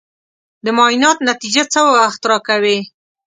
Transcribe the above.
د معاینات نتیجه څه وخت راکوې؟